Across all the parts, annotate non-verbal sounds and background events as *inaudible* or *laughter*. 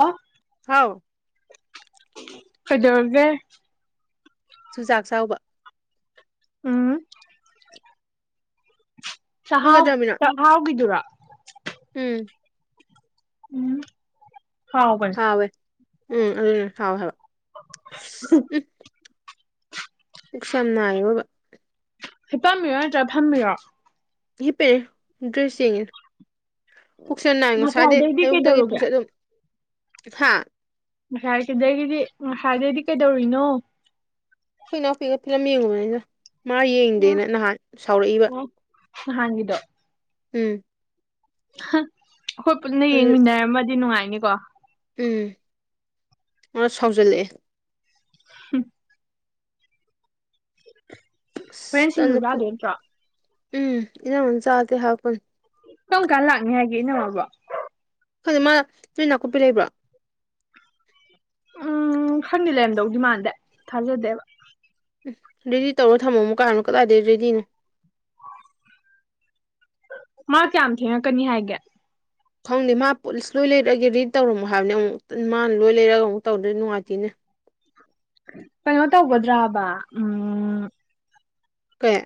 ꯑꫭ ꯍꯥꯎ꯫ ꯀꯩꯗꯧꯔꯒꯦ ꯆꯨꯖꯥꯛ ꯆꯥꯎꯕ ꯎꯝ ꯆꯍꯥꯎ ꯍꯪꯒꯗ꯭ꯔꯃꯤꯅ ꯆꯍꯥꯎꯒꯤꯗꯨꯔꯣ ꯎꯝ ꯎꯝ ꯍꯥꯎꯕ ꯍꯋꯦ ꯎꯝ ꯑꯗꯨꯅꯤ ꯍꯥꯎꯋꯦ ꯍꯥꯏꯕꯥ ꯄꯨꯛꯁꯦ ꯌꯥꯝ ꯅꯥꯏ ꯑꯋꯣꯏꯕ ꯍꯤ ꯄꯝꯃꯤꯔꯣ ꯅꯇ꯭ꯔꯥ ꯐꯝꯕꯤꯔꯣ ꯍꯤꯞꯄꯤꯅꯦ ꯗ꯭ꯔꯦꯁ ꯌꯦꯡꯉꯤ ꯄꯨꯛꯁꯦ ꯅꯥꯏ ꯉꯁꯥꯏꯗꯩ ꯉꯁꯥꯏꯗꯩꯗꯤ ꯑꯌꯨꯛꯇꯒꯤ ꯀꯩꯗꯧꯔꯒꯦ ꯄꯨꯛꯁꯨ ꯑꯗꯨꯝ ꯍꯥ ꯉꯁꯥꯏ ꯁꯤꯗꯒꯤꯗꯤ ꯉꯁꯥꯏꯗꯩꯗꯤ ꯀꯩꯗꯧꯔꯤꯅꯣ ꯑꯩꯈꯣꯏ ꯏꯅꯥꯎꯄꯤꯒ ꯐꯤꯂꯝ ꯌꯦꯡꯉꯨꯕꯅꯤꯗ ꯃꯥ ꯎꯝ ꯌꯦꯡꯗꯦꯅ ꯅꯍꯥꯟ ꯁꯥꯎꯔꯛꯏꯕ ꯑꯣ ꯅꯍꯥꯟꯒꯤꯗꯣ ꯎꯝ ꯑꯩꯈꯣꯏ ꯄꯨꯟꯅ ꯑꯗꯨ ꯌꯦꯡꯃꯤꯟꯅꯔꯝꯃꯗꯤ ꯅꯨꯡꯉꯥꯏꯅꯤꯀꯣ ꯎꯝ ꯃꯥ ꯁꯥꯎꯖꯜꯂꯛꯑꯦ ꯍꯝ ꯑꯁ ꯍꯣꯔꯦꯟ ꯁꯤꯡꯖꯨ ꯇꯜꯂꯦ ꯄꯨ ꯆꯥꯗꯣꯏ ꯅꯠꯇ꯭ꯔꯣ ꯏꯟꯝꯃꯅ ꯆꯥꯛꯇꯤ ꯍꯥꯞꯄꯅꯤ ꯀꯔꯝ ꯀꯥꯟ ꯂꯥꯛꯅꯤ ꯍꯥꯏꯒꯦ ꯏꯅꯝꯃꯕꯣ ꯈꯪꯗꯣ ꯃꯥ ꯅꯣꯏ ꯅꯥꯀꯨꯞꯄꯤ ꯂꯩꯕ꯭ꯔꯣ ꯎꯝ ꯈꯪꯗꯦ ꯂꯩꯔꯝꯗꯧꯗꯤ ꯃꯥꯟꯗꯦ ꯊꯥꯖꯗꯦꯕ ꯎꯝ ꯔꯦꯗꯤ ꯇꯧꯔꯣ ꯊꯝꯃꯣꯃꯨ ꯀꯥꯏ ꯍꯥꯏꯕꯅꯤ ꯀꯗꯥꯏꯗꯒꯤ ꯔꯦꯗꯤꯅꯣ ꯃꯥ ꯀꯌꯥꯝ ꯊꯦꯡꯉꯛꯀꯅꯤ ꯍꯥꯏꯒꯦ ꯈꯪꯗꯦ ꯃꯥ ꯄꯨꯂꯤꯁ ꯂꯣꯏ ꯂꯩꯔꯛꯑꯒꯦ ꯔꯦꯗꯤ ꯇꯧꯔꯝꯃꯣ ꯍꯥꯏꯕꯅꯦ ꯑꯃꯨꯛ ꯃꯥꯅ ꯂꯣꯏ ꯂꯩꯔꯒ ꯑꯃꯨꯛ ꯇꯧꯗꯔꯗꯤ ꯅꯨꯡꯉꯥꯏꯇꯦꯅꯦ ꯀꯩꯅꯣ ꯇꯧꯒꯗ꯭ꯔꯕ ꯎꯝ ꯀꯩ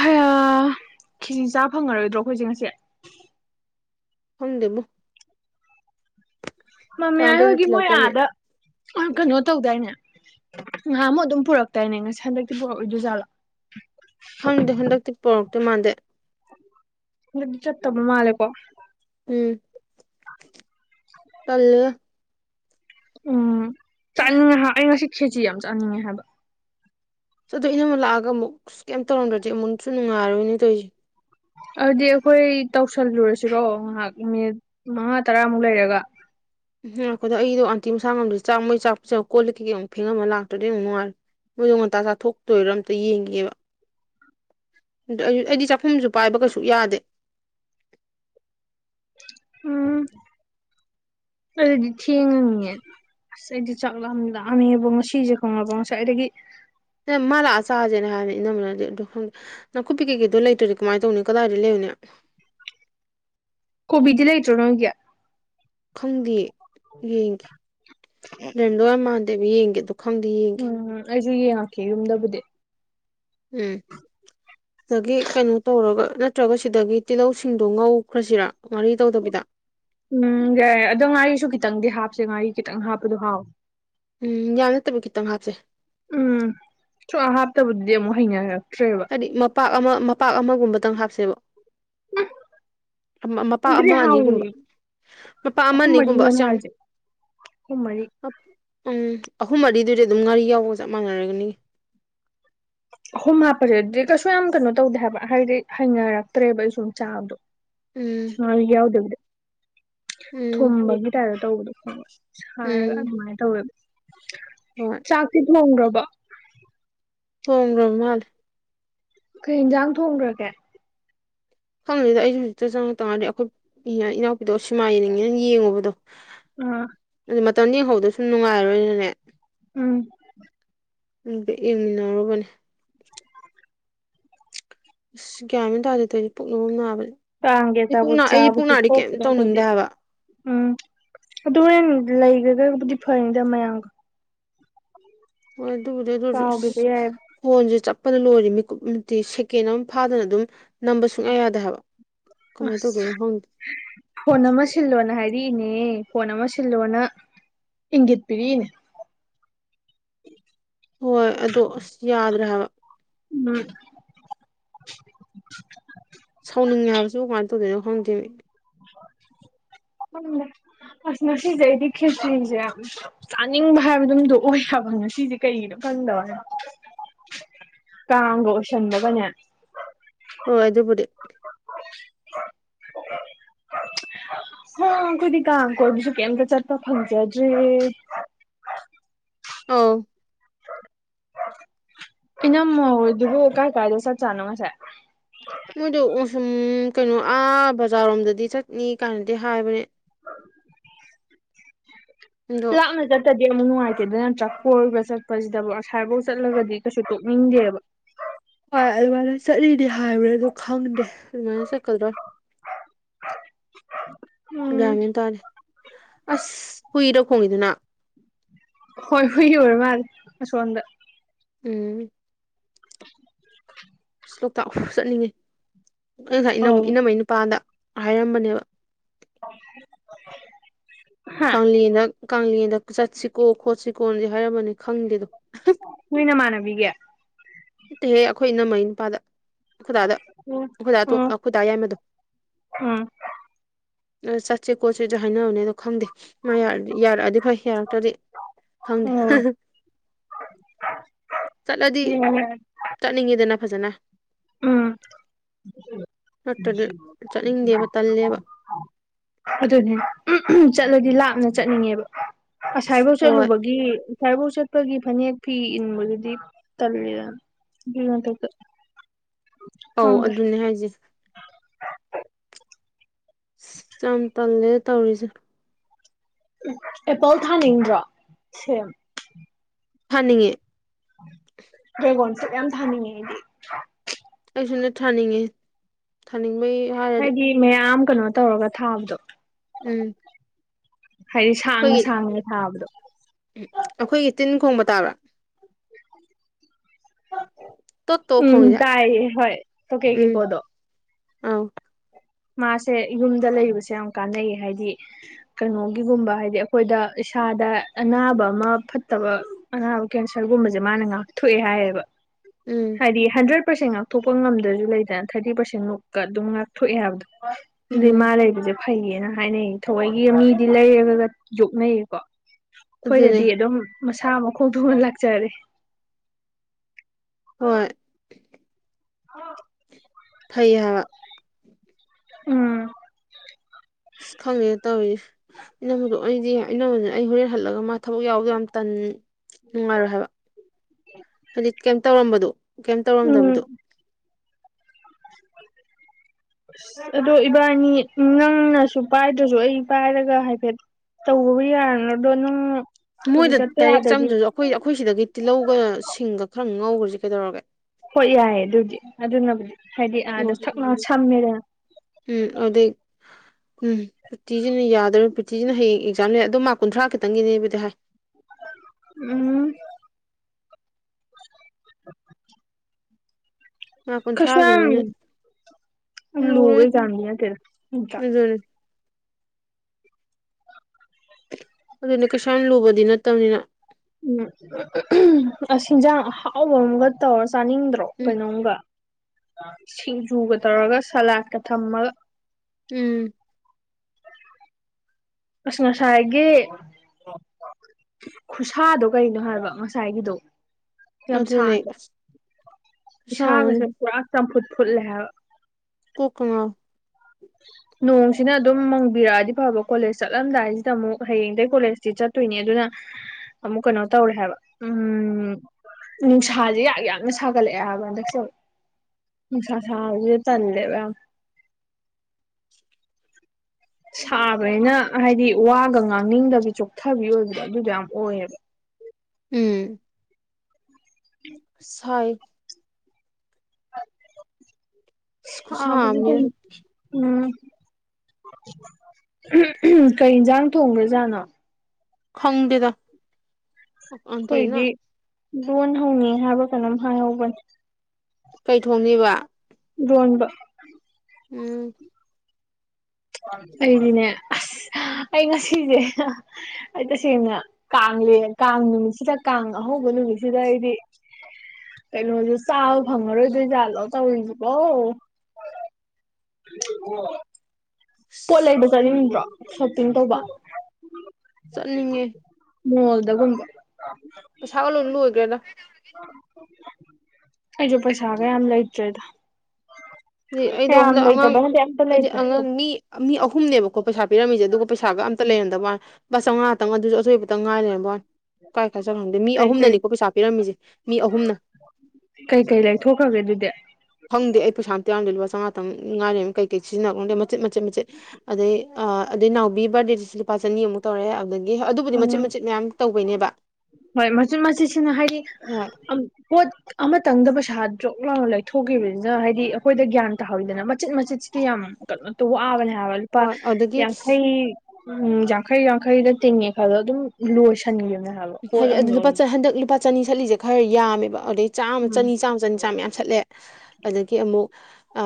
ꯍꯌꯥ ꯈꯦꯠꯆꯔꯤ ꯆꯥ ꯐꯪꯉꯔꯣꯏꯗ꯭ꯔꯣ ꯑꯩꯈꯣꯏꯁꯦ ꯉꯁꯤ ꯈꯪꯗꯦꯕꯣ ꯃꯃꯌ꯭ꯥꯏ ꯀꯅꯥꯝꯇꯁꯨ ꯍꯣꯏꯒꯤ ꯃꯣꯏ ꯊꯤꯜꯂꯛꯇꯕꯅꯤ ꯑꯥꯗ ꯀꯩꯅꯣ ꯇꯧꯗꯥꯏꯅꯦ ꯉꯥꯍꯥꯟꯃꯨꯛ ꯑꯗꯨꯝ ꯄꯨꯔꯛꯇꯏꯅꯦ ꯉꯁꯤ ꯍꯟꯗꯛꯇꯤ ꯄꯨꯔꯛꯑꯣꯏꯗꯣꯏꯖꯥꯠꯂꯣ ꯈꯪꯗꯦ ꯍꯟꯗꯛꯇꯤ ꯄꯣꯔꯛꯇꯣꯏ ꯃꯥꯟꯗꯦ ꯑꯗꯨꯗꯤ ꯆꯠꯇꯕ ꯃꯥꯜꯂꯦꯀꯣ ꯎꯝ ꯇꯜꯂꯦꯗ ꯎꯝ ꯆꯠꯅꯤꯡꯉꯦꯍꯥ ꯑꯩ ꯉꯁꯤ ꯈꯦꯆꯤ ꯌꯥꯝ ꯆꯠꯅꯤꯡꯉꯦ ꯍꯥꯏꯕ ꯑꯁ ꯑꯗꯣ ꯏꯅꯝꯃ ꯑꯃꯨꯛ ꯂꯥꯛꯑꯒ ꯑꯃꯨꯛ ꯀꯩꯝ ꯇꯧꯔꯝꯗ꯭ꯔꯗꯤ ꯑꯃꯨꯛꯁꯨ ꯅꯨꯡꯉꯥꯏꯔꯣꯏꯅꯦ ꯇꯧꯔꯤꯁꯦ ꯑꯗꯨꯗꯤ ꯑꯩꯈꯣꯏ ꯇꯧꯁꯜꯂꯨꯔꯁꯤꯔꯣ ꯉꯥꯏꯍꯥꯛ ꯃꯤꯅꯤꯠ ꯃꯉꯥ ꯇꯔꯥꯃꯨꯛ ꯂꯩꯔꯒ ꯎꯝꯍꯝ ꯉꯥꯏꯈꯥꯗ ꯑꯩꯗꫭ ꯑꯟꯇꯤ ꯃꯁꯥ ꯉꯝꯗꯦ ꯆꯥꯛ ꯃꫭꯏ ꯆꯥꯛꯄꯤꯖ ꯀꯣꯜ ꯂꯤꯛ ꯀꯩ ꯀꯩ ꯑꯃꯨꯛ ꯐꯦꯡꯉꯝꯃꯒꯥꯂꯥꯛꯇ꯭ꯔꯗꯤ ꯑꯃꯨꯛ ꯅꯨꯉꯥꯏꯔꫭꯏ ꯃꯣꯏꯗꯣ ꯉꯟꯇꯥ ꯆꯥꯊꯣꯛꯇꯣꯏꯔꯥ ꯑꯝꯇ ꯌꯦꯡꯒꯦꯕ ꯑꯗꯨ ꯑꯩꯖꯨ ꯑꯩꯗꯤ ꯆꯥꯛꯈꯨꯝꯁꯨ ꯄꯥꯏꯕ ꯀꯩꯁꯨ ꯌꯥꯗꯦ ꯎꯝ ꯑꯗꯨꯗꯤ ꯊꯦꯡꯉꯅꯤꯌꯦ ꯑꯗꫭ ꯑꯩ ꯆꯥꯛ ꯂꯥꯝꯗꯤ ꯂꯥꯝꯃꯦꯕꫭ ꯉꯁꯤꯖꯦ ꯈꯕ꯭ꯔ ꯉꯁꯥꯏꯗꯒꯤ ꯅ ꯃꯥ ꯂꯥꯛꯑ ꯆꯥꯁꯦꯅ ꯍꯥꯏꯕꯅꯤ ꯏꯅꯝꯕꯅꯗꯤ ꯈꯪꯗꯦ ꯈꯪꯗꯦ ꯅꯥꯀꯨꯞꯄꯤ ꯀꯩꯀꯩꯗꯣ ꯂꯩꯇ꯭ꯔꯗꯤ ꯀꯃꯥꯏꯅ ꯇꯧꯅꯤ ꯀꯗꯥꯏꯗ ꯂꯩꯔꯨꯅꯤ ꯀꯣꯕꯤꯗꯤ ꯂꯩꯇ꯭ꯔꯣ ꯅꯣꯏꯒꯤ ꯈꯪꯗꯤꯌꯦ ꯌꯦꯡꯒꯦ ꯂꯩꯔꯝ ꯗꯣꯏ ꯌꯥꯝꯃꯥꯟꯗꯦꯕ ꯌꯦꯡꯒꯦ ꯑꯗꯨ ꯈꯪꯗꯦ ꯌꯦꯡꯒꯦ ꯎꯝ ꯑꯩꯁꯨ ꯌꯦꯡꯉꯛꯀꯦ ꯌꯨꯝꯗꯕꯨꯗꯤ ꯎꯝ ꯁꯤꯗꯒꯤ ꯀꯩꯅꯣ ꯇꯧꯔꯒ ꯅꯠꯇ꯭ꯔꯒ ꯁꯤꯗꯒꯤ ꯇꯤꯜꯍꯧ ꯁꯤꯡꯗꯣ ꯉꯧꯈ꯭ꯔꯁꯤꯔ ꯉꯥꯔꯤ ꯇꯧꯗꯕꯤꯗ ꯎꯝ ꯌꯥꯏꯌꯦ ꯑꯗꯣ ꯉꯥꯔꯤꯁꯨ ꯈꯤꯇꯪꯗꯤ ꯍꯥꯞꯁꯦ ꯉꯥꯔꯤ ꯈꯤꯇꯪ ꯍꯥꯞꯄꯗꯣ ꯍꯥꯎꯋꯦ ꯎꯝ ꯌꯥꯝ ꯅꯠꯇꯕꯤ ꯈꯤꯇꯪ ꯍꯥꯞꯁꯦ ꯎꯝ ꯁꯨꯛ ꯍꯥꯞ ꯍꯥꯞꯇꯕꯗꯨꯗꯤ ꯑꯃꯨꯛ ꯍꯩꯅꯔꯣꯏ ꯍꯥꯏꯗꯤ ꯃꯄꯥꯛ ꯑꯃ ꯃꯄꯥꯛ ꯑꯃꯒꯨꯝꯕꯗꯪ ꯍꯥꯞꯁꯦꯕ ꯃꯄꯥꯛ ꯑꯗꯨꯗꯤ ꯑꯃ ꯍꯥꯎꯋꯤ ꯑꯅꯤꯒꯨꯝꯕ ꯃꯄꯥꯛ ꯑꯃ ꯑꯍꯨꯝ ꯑꯅꯤꯒꯨꯝꯕ ꯃꯔꯤꯅꯦ ꯑꯆꯝ ꯍꯥꯏꯁꯦ ꯑꯍꯨꯝ ꯃꯔꯤ ꯎꯝ ꯑꯍꯨꯝ ꯃꯔꯤꯗꯨꯗꯤ ꯑꯗꯨꯝ ꯉꯥꯔꯤ ꯌꯥꯎꯕꯒ ꯆꯞ ꯃꯥꯟꯅꯔꯒꯅꯤ ꯑꯍꯨꯝ ꯍꯥꯞꯄꯁꯦ ꯑꯗꯨꯗꯤ ꯀꯩꯁꯨ ꯌꯥꯝ ꯀꯩꯅꯣ ꯇꯧꯗꯦ ꯍꯥꯏꯕ ꯍꯥꯏꯗꯤ ꯍꯩꯅꯔꯛꯇ꯭ꯔꯦꯕ ꯑꯩ ꯁꯨꯝ ꯆꯥꯕꯗꯣ ꯎꯝ ꯉꯥꯔꯤ ꯌꯥꯎꯗꯕꯤꯗ ꯎꯝ ꯊꯨꯝꯕꯒꯤ ꯇꯥꯏꯞꯇ ꯇꯧꯕꯗꯣ ꯈꯪꯕꯔꯥ ꯁꯥꯏꯔꯒ ꯎꯝ ꯑꯗꯨꯃꯥꯏꯅ ꯇꯧꯂꯩꯕꯗꫭ ꯍꯣꯏ ꯆꯥꯛꯇꯤ ꯊꯣꯡꯈ꯭ꯔꯕꫭ ꯊꫭꯡꯈꯔꯥꯕ ꯃꯥꯜꯂꯦ ꯀꯩ ꯌꯦꯟꯖꯥꯡ ꯊꯣꯡꯈ꯭ꯔꯒꯦ ꯈꯪꯗꯦꯗꯥ ꯑꯩꯁꯨ ꯍꯧꯖꯤꯛꯇ ꯆꯪꯉꯛꯇꯉꯥꯏꯔꯤ ꯑꯩꯈꯣꯏ ꯏ ꯏꯅꯥꯎ ꯁꯤꯗꯣ ꯁꯤꯅꯤꯃꯥ ꯌꯦꯡꯅꯤꯡꯉꯤꯅ ꯌꯦꯡꯉꯨꯕꯗꯣ ꯑꯥ ꯑꯗꯨ ꯃꯇꯝ ꯌꯦꯡꯍꯧꯕꯗꯣ ꯅꯨꯡꯉꯥꯏꯔꯣꯏꯅꯦ ꯎꯝ *unintelligible* ꯌꯦꯡꯃꯤꯟꯅꯔꯨꯕꯅꯦ ꯑꯁ ꯒꯌ꯭ꯥꯟ ꯃꯦꯜ ꯇꯥꯗꯦ ꯇꯧꯔꯤꯁꯦ ꯄꯨꯛꯅ ꯃꯔꯣꯟ ꯑꯃ ꯅꯥꯕꯅꯦ ꯀꯥꯡꯒꯤ ꯑꯩ ꯄꯨꯛ ꯑꯆꯥꯄꯣꯠ ꯅꯥ ꯑꯩ ꯄꯨꯛ ꯆꯥꯕꯁꯨ ꯅꯥꯔꯗꯤ ꯊꯣꯛ ꯀꯩꯝ ꯇꯔꯦ ꯑꯩꯈꯣꯏꯗꯤ ꯇꯧꯅꯤꯡꯗꯦ ꯍꯥꯏꯕ ꯎꯝ ꯑꯗꯨ ꯍꯣꯔꯦꯟ ꯂꯩꯈꯔꯒꯕꯨꯗꯤ ꯐꯩꯔꯅꯤꯗ ꯃꯌꯥꯝꯒ ꯍꯣꯏ ꯑꯗꯨꯕꯨꯗꯤ ꯑꯗꯨ ꯑꯣꯏꯔꯖꯨ ꯀꯥꯎꯒꯤꯕ ꯌꯥꯏꯌꯦꯕ ꯐꯣꯟꯁꯦ ꯆꯞꯄꯅ ꯂꯣꯏꯔꯦꯃꯦ ꯃꯤꯠꯀꯨꯞ ꯑꯃ ꯅꯠꯇꯦ ꯁꯦꯀꯦꯟ ꯑꯃ ꯐꯥꯗꯅ ꯑꯗꯨꯝ ꯅꯝꯕ ꯁꯨꯡꯌꯥ ꯌꯥꯗꯦ ꯍꯥꯏꯕ ꯀꯃꯥꯏꯅ ꯑꯁ ꯇꯧꯗꯣꯏꯅꯣ ꯈꯪꯗꯦ ꯐꯣꯟ ꯑꯃ ꯁꯤꯜꯂꯣꯅ ꯍꯥꯏꯔꯛꯏꯅꯦ ꯐꯣꯟ ꯑꯃ ꯁꯤꯜꯂꯣꯅ ꯏꯪꯒꯤꯠ ꯄꯤꯔꯛꯏꯅꯤ ꯍꯣꯏ ꯑꯗꯣ ꯑꯁ ꯌꯥꯗ꯭ꯔꯦ ꯍꯥꯏꯕ ꯎꯝ ꯁꯥꯎꯅꯤꯡꯉꯦ ꯍꯥꯏꯕꯁꯨ ꯀꯃꯥꯏꯅ ꯇꯧꯗꯣꯏꯅꯣ ꯈꯪꯗꯦ ꯃꯤ *unintelligible* ꯑꯁ ꯉꯁꯤꯁꯦ ꯑꯩꯗꯤ ꯈꯦꯆꯤꯏꯁꯦ ꯆꯥꯅꯤꯡꯕ ꯍꯥꯏꯕꯗꯨꯝꯗꯣ ꯑꯣꯏ ꯍꯥꯏꯕ ꯉꯁꯤꯁꯦ ꯀꯩꯒꯤꯅꯣ ꯈꯪꯪꯗꯋꯅꯦ ꯀꯥꯡꯒ ꯑꯣꯏꯁꯤꯟꯕꯒꯅꯦ ꯍꯣꯏ ꯑꯗꯨꯕꯨꯗꯤ *unintelligible* ꯍ ꯑꯩꯈꯣꯏꯗꯤ ꯀꯥꯛ ꯀꯣꯏꯕꯁꯨ ꯀꯩꯝꯇ ꯆꯠꯄ ꯐꯪꯖꯗ꯭ꯔꯦ ꯑꯥꯎ ꯏꯅꯝꯃꯥꯍꫭꯏꯗꯨꯕꯨ ꯀꯥꯏ ꯀꯥꯏꯗꯥ ꯆꯠ ꯖꯠꯅꫭ ꯉꯁꯥꯏ ꯃꯣꯏꯗꫭ ꯑꫭꯁꯨꯝ ꯀꯩꯅꯣ ꯑꯥ ꯕꯖꯥꯔꯔꯣꯝꯗꯗꯤ ꯆꯠꯅꯤ ꯀꯥꯏꯅꯗꯤ ꯍꯥꯏꯕꯅꯦ ꯑꯗꯣ ꯂꯥꯞꯅ ꯆꯠ ꯆꯠꯇꯔꯗꯤ ꯑꯃꯨꯛ ꯅꯨꯡꯉꯥꯏꯇꯦꯗꯅ ꯅꯠꯇꯔ ꯀꫭꯏꯕ ꯆꯠꯄꯁꯤꯗꯕꯨ ꯑꯁꯥꯏꯐꯧ ꯆꯠꯂꯒꯗꯤ ꯀꯩꯁꯨ ꯇꯣꯛꯅꯤꯡꯗꯦꯕ ꯍꯣꯏ ꯑꯗꯨꯃꯥꯏꯅ ꯆꯠꯅꯤꯗꯤ ꯍꯥꯏꯕ꯭ꯔꯥ ꯑꯗꯨ ꯈꯪꯗꯦ ꯑꯗꯨꯃꯥꯏꯅ ꯆꯠꯀꯗ꯭ꯔꯣ ꯎꯝ ꯒꯤꯌꯟ-ꯃꯦꯟ ꯇꯥꯗꯦ ꯑꯁ ꯍꯨꯏꯔ ꯈꯣꯡꯉꯤꯗꯨꯅ ꯍꯣꯏ ꯍꯨꯏ ꯑꯣꯏꯔ ꯃꯥꯜꯂꯦ ꯑꯁꯣꯝꯗ ꯎꯝ *unintelligible* ꯂꯣꯛꯇꯥꯛ ꯆꯠꯅꯤꯡꯉꯤ ꯑꯩ ꯉꯁꯥꯏ ꯏꯅꯝꯃ ꯑꯧ ꯏꯅꯝꯃꯩ ꯅꯨꯄꯥꯗ ꯍꯥꯏꯔꯝꯕꯅꯦꯕ *unintelligible* ꯀꯥꯛ ꯀꯂꯦꯟꯗ ꯀꯥꯛ ꯀꯂꯦꯟꯗ ꯆꯠꯁꯤꯀꯣ ꯈꯣꯠꯁꯤꯀꯣꯅꯗꯤ ꯍꯥꯏꯔꯝꯕꯅꯤ ꯈꯪꯗꯦꯗꯣ ꯅꫭꯏ ꯅꯃꯥꯟꯅꯕꯤꯒꯤ ꯅꯠꯇꯍꯦ ꯑꯩꯈꯣꯏ ꯏꯅꯝꯃꯥꯒꯤ ꯅꯨꯄꯥꯗ ꯑꯩꯈꫭꯏ ꯗꯥꯗ ꯑꯣ ꯑꯩꯈꫭꯏ ꯗꯥ ꯑꯣ ꯑꯇꫭꯝ ꯑꯩꯈꫭꯏ ꯗꯥ ꯌꯥꯏ ꯃꯗꯣ *unintelligible* ꯆꯠꯁꯦ ꯀꯣꯠꯁꯦꯁꯨ ꯍꯥꯏꯅꯔꯅꯦ ꯑꯗꯣ ꯈꯪꯗꯦ ꯃꯥ ꯌꯥꯔꯛꯑꯗꯤ ꯐꯩ ꯌꯥꯔꯛꯇ꯭ꯔꯗꯤ ꯈꯪꯗꯦ ꯆꯂꯗꯤ ꯎꯝ *unintelligible* ꯆꯠꯅꯤꯡꯉꯤꯗꯅ ꯐꯖꯅ ꯎꯝ ꯅꯠꯇ꯭ꯔꯗꯤ ꯆꯠꯅꯤꯡꯗꯦꯕ ꯇꯜꯂꯦꯕ ꯑꯗꯨꯅꯦ ꯆꯠꯂꯗꯤ ꯂꯥꯞꯅ ꯆꯠꯅꯤꯡꯉꯦꯕ ꯑꯁꯥꯏꯐꯧ ꯍꯣꯏ ꯆꯠꯂꯨꯕꯒꯤ ꯈꯕꯧ ꯆꯠꯄꯒꯤ ꯐꯅꯦꯛ ꯐꯤ ꯏꯟꯕꯗꯨꯗꯤ ꯇꯜꯂꯦꯗꯅ ꯑꯗꯨꯒꯤ ꯃꯊꯛꯇ ꯑꯧ ꯈꯪꯗ꯭ꯔꯦ ꯑꯗꯨꯅꯦ ꯍꯥꯏꯁꯦ ꯌꯥꯝ ꯇꯜꯂꯦ ꯇꯧꯔꯤꯁꯦ ꯑꯦꯄꯜ ꯊꯥꯅꯤꯡꯗ꯭ꯔꯣ ꯁꯦꯝ ꯍꯥꯏꯅꯤꯡꯉꯤ ꯗ꯭ꯔꯦꯒꯣꯟꯁꯦ ꯌꯥꯝ ꯊꯥꯅꯤꯡꯉꯦ ꯑꯩꯗꯤ ꯑꯩꯁꯨꯅꯦ ꯊꯥꯅꯤꯡꯉꯤ ꯊꯥꯅꯤꯡꯕꯩ ꯍꯥꯏꯔꯗꯤ ꯍꯥꯏꯗꯤ ꯃꯌꯥꯝ ꯀꯩꯅꯣ ꯇꯧꯔꯒ ꯊꯥꯕꯗꯣ ꯎꯝ ꯍꯥꯏꯗꯤ ꯁꯥꯡꯉ ꯁꯥꯡꯉꯦ ꯊꯥꯕꯗꯣ ꯎꯝ ꯑꯩꯈꯣꯏꯒꯤ ꯇꯤꯟ ꯈꯣꯡꯕ ꯇꯥꯕ꯭ꯔꯥ ꯇꯣꯠ ꯇꯣꯠ ꯎꯝ ꯈꯣꯡꯉꯤꯁꯦ ꯇꯥꯏ ꯍ ꯇꯣ ꯀ ꯀꯩ ꯎꯝ ꯀꯣꯗꯣ ꯑꯥꯎ ꯃꯥꯁꯦ ꯌꯨꯝꯗ ꯂꯩꯕꯁꯦ ꯌꯥꯝ ꯀꯥꯟꯅꯩꯌꯦ ꯍꯥꯏꯗꯤ ꯀꯩꯅꯣꯒꯤꯒꯨꯝꯕ ꯍꯥꯏꯗꯤ ꯑꯩꯈꯣꯏꯗ ꯏꯁꯥꯗ ꯑꯅꯥꯕ ꯑꯃ ꯐꯠꯇꯕ ꯑꯅꯥꯕ ꯀꯦꯟꯁꯔꯒꯨꯝꯕꯁꯦ ꯃꯥꯅ ꯉꯥꯛꯊꯣꯛꯑꯦ ꯍꯥꯏꯌꯦꯕ ꯎꯝ ꯍꯥꯏꯗꯤ ꯍꯟꯗ꯭ꯔꯦꯠ ꯄꯥꯔꯁꯦꯟ ꯉꯥꯛꯊꯣꯛꯄ ꯉꯝꯗ꯭ꯔꯁꯨ ꯂꯩꯗꯅ ꯊꯥꯔꯇꯤ ꯄꯥꯔꯁꯦꯟꯃꯨꯛꯀ ꯑꯗꯨꯝ ꯉꯥꯛꯊꯣꯛꯑꯦ ꯍꯥꯏꯕꯗꯣ ꯑꯗꯨꯏ ꯎꯝ ꯃꯥ ꯂꯩꯕꯁꯦ ꯐꯩꯌꯦꯅ ꯍꯥꯏꯅꯩꯌꯦ ꯊꯑꯣꯏꯒꯤ ꯃꯤꯗꯤ ꯂꯩꯔꯒꯒ ꯌꯣꯛꯅꯩꯌꯦꯀꯣ ꯑꯩꯈꯣꯏꯗꯗꯤ ꯑꯗꯨꯅꯦ ꯑꯗꯨꯝ ꯃꯁꯥ ꯃꯈꯣꯡ ꯊꯣꯛꯨꯅ ꯂꯥꯛꯆꯔꯦ ꯍꯣꯏ ꯑ ꯐꯩ ꯍꯥꯏꯕ ꯎꯝ ꯑꯁ ꯈꯪꯉꯦ ꯇꯧꯋ ꯏꯅꯝꯝꯕꯗꯣ ꯑꯩꯗꯤ ꯏꯅꯃꯗꯅ ꯑꯩ ꯍꯣꯔꯦꯟ ꯍꯜꯂꯒ ꯃꯥ ꯊꯕꯛ ꯌꯥꯎꯕꯗꯣ ꯌꯥꯝ ꯇꯟ ꯅꯨꯡꯉꯥꯏꯔꯣꯏ ꯍꯥꯏꯕ ꯍꯥꯏꯗꯤ ꯀꯩꯝ ꯇꯧꯔꯝꯕꯗꯨꯣ ꯀꯩꯝ ꯎꯝ ꯇꯧꯔꯝꯗꯕꯗꯣ *inaudible* ꯑꯁ ꯑꯗꯣ ꯏꯕꯥꯅꯤ ꯅꯪꯅꯁꯨ ꯄꯥꯏꯗ꯭ꯔꯁꯨ ꯑꯩ ꯄꯥꯏꯔꯒ ꯍꯥꯏꯐꯦꯠ ꯇꯧꯕꯤ ꯌꯥꯅꯗꯣꯅꯝ ꯃꯣꯏꯗ ꯗꯥꯏꯔꯦꯛ ꯆꯪꯗ꯭ꯔꯁꯨ ꯑꯩꯈꯣꯏ ꯑꯩꯈꯣꯏ ꯁꯤꯗꯒꯤ ꯇꯤꯜꯍꯧꯒ ꯁꯤꯡꯒ ꯈꯔ ꯉꯧꯈ꯭ꯔꯁꯤꯦ ꯀꯩꯗꯧꯔꯒꯦ ꯍꯣꯏ ꯌꯥꯏꯌꯦ ꯑꯗꯨꯗꯤ ꯑꯗꯨꯅꯕꯨꯗꯤ ꯍꯥꯏꯗꯤ ꯑꯥꯗꯣ ꯎꯝ ꯊꯛꯅ ꯁꯝꯃꯦꯔꯅ ꯎꯝ ꯑꯗꯨꯗꯩ ꯎꯝ ꯄ꯭ꯔꯤꯊꯤꯁꯤꯅ ꯌꯥꯗꯔꯣꯏ ꯄ꯭ꯔꯤꯇꯤꯁꯤꯅ ꯍꯌꯦꯡ ꯑꯦꯛꯖꯥꯝ ꯂꯩ ꯑꯗꯣ ꯃꯥꯔ ꯀꯨꯟꯊ꯭ꯔꯥ ꯈꯤꯪꯅꯦꯕꯨꯗꯤ ꯍꯥꯏ ꯎꯝ *inaudible* ꯃꯥꯔꯛ ꯈꯁꯥ ꯀꯨꯟꯊ꯭ꯔꯥꯒꯤꯅꯤꯅ ꯂꯨꯋ ꯂꯨꯔꯦꯗ ꯆꯅꯤ ꯐꯔ ꯍꯛꯇ ꯑꯗꯨꯅꯤ ꯑꯗꯨꯅ ꯀꯩꯁꯥꯏ ꯍꯥꯏꯅ ꯂꯨꯕꯗꯤ ꯅꯠꯇꯕꯅꯤꯅ ꯎꯝ ꯑ ꯍꯦꯟꯖꯥꯡ ꯑꯍꯥꯎꯕ ꯑꯃꯒ ꯇꯧꯔ ꯆꯥꯅꯤꯡꯗ꯭ꯔꯣ ꯎꯝ ꯀꯩꯅꯣꯝꯒ ꯁꯤꯡꯖꯨꯒ ꯇꯧꯔꯒ ꯁꯂꯥꯗꯀ ꯊꯝꯃꯒ ꯎꯝ ꯑꯁ ꯉꯁꯥꯏꯒꯤ ꯈꯨꯁꯥꯗꯣ ꯀꯩꯅꯣ ꯍꯥꯏꯕ ꯉꯁꯥꯏꯒꯤꯗꯣ ꯌꯥꯝ ꯑꯗꯨ ꯑꯗꯨꯅꯦ ꯁꯥꯗ꯭ꯔꯣ ꯈꯨꯠꯁꯥ ꯑꯃꯅꯤ ꯏꯁꯥꯒꯁꯦ ꯄꯨꯔꯥ ꯆꯝꯐꯨꯠ ꯐꯨꯠꯂꯦ ꯍꯥꯏꯕ ꯀꯣꯛꯀꯥ ꯉꯥꯎꯋꯦ ꯅꯣꯡꯁꯤꯅ ꯑꯗꯨꯝ ꯃꯪꯕꯤꯔꯛꯑꯗꯤ ꯐꯕ ꯀꯣꯂꯦꯖ ꯆꯠꯂꯝꯗꯥꯏꯁꯤꯗ ꯑꯃꯨꯛ ꯍꯌꯦꯡꯗꯒꯤꯩ ꯀꯣꯂꯦꯖ ꯁꯤ ꯆꯠꯇꯣꯏꯅꯦ ꯑꯗꯨꯅ ꯑꯃꯨꯛ ꯀꯩꯅꯣ ꯇꯧꯔꯦ ꯍꯥꯏꯕ ꯎꯝ ꯅꯨꯡꯁꯥꯁꯦ ꯌꯥ ꯌꯥꯡꯅ ꯁꯥꯒꯠꯂꯛꯑꯦ ꯍꯥꯏꯕ ꯍꯟꯗꯛꯁ ꯎꯁꯦ ꯇꯟꯗꯦꯕ ꯁꯥꯕꯅꯤꯅ ꯍꯥꯏꯗꯤ ꯋꯥꯒ ꯉꯥꯡꯅꯤꯡꯗꯕꯤ ꯆꯣꯛꯊꯕꯤ ꯑꯣꯏꯕꯗꯣ ꯑꯗꯨꯗꯣ ꯌꯥꯝ ꯑꯣꯏꯌꯦꯕ ꯎꯝ ꯁ *unintelligible* ꯑꯁ ꯈꯨꯠꯁꯥ ꯑꯥ ꯃ ꯊ *unintelligible* ꯑꯃꯅꯤꯗ ꯎꯝ ꯀꯩ ꯌꯦꯟꯖꯥꯡ ꯊꯣꯡꯕ꯭ꯔꯖꯥꯠꯅꯣ ꯈꯪꯗꯦꯗ ꯑꯟꯇꯤꯅ ꯑꯩꯈꯣꯏꯗꯤ ꯂꯣꯟ ꯍꯧꯅꯤ ꯍꯥꯏꯕ ꯀꯩꯅꯣꯝ ꯍꯥꯏꯍꯧꯕꯅꯤ ꯀꯩꯊꯣꯡꯅꯦꯕ ꯏꯔꯣꯟꯕ ꯎꯝ ꯑꯩꯗꯤꯅꯦ ꯑꯁ ꯑꯩ ꯉꯁꯤꯁꯦ ꯑꯩ ꯇꯁꯦꯡꯅ ꯀꯥꯡꯂꯦ ꯀꯥꯡ ꯅꯨꯃꯤꯠꯁꯤꯗ ꯀꯥꯡ ꯑꯍꯧꯕ ꯅꯨꯃꯤꯠꯁꯤꯗ ꯑꯩꯗꯤ ꯀꯩꯅꯣꯁꯦ ꯆꯥꯕ ꯐꯪꯉꯔꯣꯏꯗꯣꯏ ꯖꯥꯠꯂꯣ ꯇꯧꯔꯤꯁꯤ ꯀꯣ ꯑꯣ ꯄꯣꯠ ꯂꯩꯕ ꯆꯠꯅꯤꯡꯗ꯭ꯔꯣ ꯁꯣꯞꯄꯤꯡ ꯇꯧꯕ ꯆꯠꯅꯤꯡꯉꯦ ꯍꯗꯒꯨꯝꯕ ꯄꯩꯁꯥꯒ ꯂꯣꯏ ꯂꯣꯏꯒ꯭ꯔꯦꯗ ꯑꯩꯁꯨ ꯄꯩꯁꯥ ꯍꯥꯏꯒꯦ ꯑꯝ ꯂꯩꯖꯦꯗ ꯑꯗꯩ ꯑꯩꯗꯣ ꯀꯌꯥꯝ ꯍꯟꯗꯛ ꯑꯉꯥꯡ ꯂꯩꯇꯕ ꯅꯠꯇꯦ ꯑꯝꯇ ꯑꯩꯗꯤ ꯂꯩꯇꯦ ꯑꯉꯥꯡ ꯃꯤ ꯃꯤ ꯑꯍꯨꯝꯅꯦꯕꯀꯣ ꯄꯩꯁꯥ ꯄꯤꯔꯝꯃꯤꯁꯦ ꯑꯗꯨꯒ ꯄꯩꯁꯥꯒ ꯑꯝꯇ ꯂꯩꯔꯝꯗꯕꯅ ꯂꯨꯄꯥ ꯆꯧꯉꯥ ꯈꯛꯇꯪ ꯑꯗꯨꯖꯨ ꯑꯆꯣꯏꯕꯇꯪ ꯉꯥꯏꯔꯥ ꯂꯩꯔꯝꯕ ꯋꯥꯅꯤ ꯀꯥꯏ ꯀꯏ ꯆꯠꯈꯔꯕꯅꯣ ꯈꯪꯗꯦ ꯃꯤ ꯀꯩꯀꯩ ꯑꯍꯨꯝꯅꯅꯤꯀꯣ ꯄꯩꯁꯥ ꯄꯤꯔꯃꯤꯁꯦ ꯃꯤ ꯑꯍꯨꯝꯅ ꯀꯩ ꯀꯩ ꯂꯩꯊꯣꯛꯈ꯭ꯔꯒꯦ ꯑꯗꯨꯗꯤ ꯐꯪꯗ ꯑꯩꯩꯥꯇ ꯌꯥꯝꯗꯦ ꯂꯄꯥ ꯆꯃꯉꯥꯇ ꯉꯥꯏꯔꯦꯝ ꯀꯩ ꯀꯩ ꯁꯤꯖꯤꯟꯅꯝꯗꯦ ꯃꯆꯦꯠ ꯃꯆꯦꯠ ꯃꯆꯦꯠ ꯑꯗꯩ ꯑꯗꯩ ꯅꯥꯎꯕꯤ ꯕꯥꯔꯗꯦꯗꯁꯨ ꯂꯨꯄꯥ ꯆꯅꯤꯃꯨꯛ ꯇꯧꯔꯦ ꯑꯗꯨꯗꯒꯤ ꯑꯗꯨꯕꯨꯗꯤ ꯃꯆꯦꯠ ꯎꯝ ꯃꯆꯦꯠ ꯃꯌꯥꯝ ꯇꯧꯕꯩꯅꯦꯕ ꯍꯣꯏ ꯃꯆꯤꯠ ꯃꯆꯤꯠꯁꯤꯅ ꯍꯥꯏꯗꯤ ꯍꯣꯏ ꯄꯣꯠ ꯑꯃꯇꯪꯗ ꯄꯩꯁꯥ ꯗ꯭ꯔꯣꯛ ꯂꯥꯎꯅ ꯂꯩꯊꯣꯛꯈꯤꯕꯁꯤꯅ ꯍꯥꯏꯗꯤ ꯑꯩꯈꯣꯏꯗ ꯒ꯭ꯌꯥꯟ ꯇꯥꯍꯧꯋꯤꯗꯅ ꯃꯆꯤꯠ ꯃꯆꯤꯠꯁꯤꯗꯤ ꯌꯥꯝ ꯀꯩꯅꯣ ꯇꯧꯕꯑꯕꯅꯦ ꯍꯥꯏꯕ ꯂꯨꯄꯥ ꯍꯣꯏ ꯑꯗꯒꯤ ꯌꯥꯡꯈꯩ ꯎꯝ ꯌꯥꯡꯈꯩ ꯌꯥꯡꯈꯩꯗ ꯇꯤꯡꯉꯦ ꯈꯜꯗꯣ ꯑꯗꯨꯝ ꯂꯣꯏꯁꯟꯈꯤꯕꯦꯅꯦ ꯍꯥꯏꯣ ꯍꯥꯏꯗꯤ ꯑꯗꯨ ꯂꯨꯄꯥ ꯍꯟꯗꯛ ꯂꯨꯄꯥ ꯆꯅꯤ ꯁꯠꯂꯤꯁꯦ ꯈꯔ ꯌꯥꯝꯃꯦꯕ ꯑꯗꯩ ꯆꯥꯝꯃ ꯎꯝ ꯆꯅꯤ ꯆꯥꯝꯃ ꯆꯅꯤ ꯆꯥꯝꯃ ꯌꯥꯝ ꯁꯠꯂꯦ ꯑꯗꯒꯤ ꯑꯃꯨꯛ ꯑ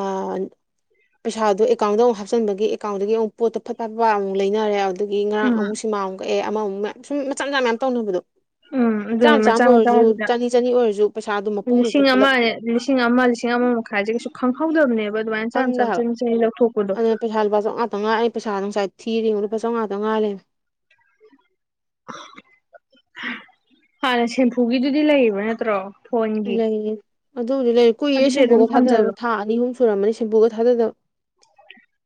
ꯄꯩꯁꯥꯗꯨꯣ ꯑꯦꯀꯥꯎꯟꯗ ꯑꯃꯨꯛ ꯍꯥꯞꯆꯤꯟꯕꯒꯤ ꯑꯦꯀꯥꯎꯟꯗꯨꯗꯒꯤ ꯐꯠ ꯐꯠ ꯑꯃꯨꯛ ꯂꯩꯅꯔꯦ ꯑꯗꯨꯒꯤ ꯉꯔꯥꯡ ꯎꯝ ꯑꯃꯨꯛ ꯁꯤꯃꯥꯃꯨꯛ ꯀꯛꯑꯦ ꯑꯃꯃꯨꯛ ꯃꯌꯥꯝ ꯁꯨꯝ ꯃꯆꯥ ꯃꯆꯥ ꯃꯌꯥꯝ ꯇꯧꯅꯕꯗꯣ ꯎꯝ ꯆꯥꯝ ꯑꯗꯨꯅꯦ ꯃꯆꯥ ꯆꯥꯃ ꯑꯣꯏꯔꯁꯨ ꯃꯆꯥꯁꯤꯗ ꯆꯅꯤ ꯆꯅꯤ ꯑꯣꯏꯔꯁꯨ ꯄꯩꯁꯥꯗꯣ ꯃꯄꯨꯝ ꯍꯦꯛꯇ ꯂꯤꯁꯤꯡ ꯑꯃ ꯄꯨꯜꯂꯞ ꯂꯤꯁꯤꯡ ꯑꯃ ꯂꯤꯁꯤꯡ ꯑꯃ ꯃꯈꯥꯏꯁꯦ ꯀꯩꯁꯨ ꯈꯪꯍꯧꯗꯕꯅꯦꯕ ꯑꯗꯨꯃꯥꯏꯅ ꯆꯥꯝ ꯆꯥ ꯆꯟ ꯆꯍꯤ ꯂꯧꯊꯣꯛꯄꯗꯣ ꯄꯩꯁꯥꯨ ꯂꯨꯄꯥ ꯆꯃꯉꯥ ꯈꯛꯇ ꯉꯥꯏ ꯂꯩ ꯔꯝꯃꯦ ꯉꯁꯥꯏ ꯊꯤꯔꯤꯨ ꯂꯨꯄꯥꯥ ꯆꯥꯝꯉꯥꯇꯪ ꯉꯥꯏꯔꯦ ꯍꯥꯟꯅ ꯁꯦꯝꯄꯐꯨꯒꯤꯗꯨꯗꯤ ꯂꯩꯌꯦꯕ ꯅꯠꯇ꯭ꯔꯣ ꯐꯣꯟꯒꯤ ꯂꯩꯌꯦ ꯑꯗꯨꯕꯨꯗꯤ ꯂꯩꯔꯦ ꯀꯨꯏꯔꯦ ꯑꯗꯨꯗꯤ ꯑꯗꯨꯝ ꯁꯦꯡꯕꯨꯨꯒ ꯊꯥꯗꯕ ꯊꯝꯖꯜꯂꯣ ꯊꯥ ꯑꯅꯤ ꯑꯍꯨꯝ ꯁꯨꯔꯝꯃꯅꯤ ꯁꯦꯡꯕꯨꯨꯒ ꯊꯥꯗꯗꯕ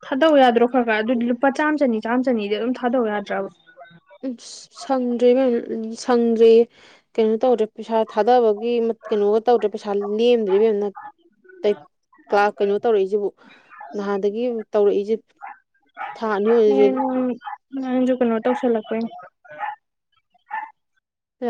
ꯊꯥꯗꯧ ꯌꯥꯗ꯭ꯔꯣ ꯈꯔ ꯈꯔ ꯑꯗꯨꯗꯤ ꯂꯨꯄꯥ ꯆꯥꯝꯃ ꯆꯅꯤ ꯆꯥꯝꯃ ꯆꯅꯤꯗꯤ ꯑꯗꯨꯝ ꯊꯥꯗꯧ ꯌꯥꯗ꯭ꯔꯕ ꯏꯁ ꯁꯪꯗ꯭ꯔꯦ ꯏꯕꯦꯝ ꯁꯪꯗ꯭ꯔꯦ ꯀꯩꯅꯣ ꯇꯧꯗ꯭ꯔꯦ ꯄꯩꯁꯥ ꯊꯥꯗꯕꯒꯤ ꯀꯩꯅꯣꯒ ꯇꯧꯗ꯭ꯔꯦ ꯄꯩꯁꯥ ꯂꯦꯝꯗ꯭ꯔꯤꯕ ꯃꯦꯝꯅ ꯀ꯭ꯂ ꯀꯩꯅꯣ ꯇꯧꯔꯛꯏꯁꯤꯕꯨ ꯅꯍꯥꯟꯗꯒꯤ ꯇꯧꯔꯛꯏꯁꯦ ꯊꯥ ꯑꯅꯤ ꯑꯣꯏꯁꯦ ꯅꯣꯖꯨ ꯀꯩꯅꯣꯇꯧ ꯁꯜꯂꯛꯄꯩꯅꯤ